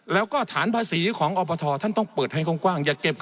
แล้วก็ฐานภาษีของออปทต้องเปิดให้กว้าง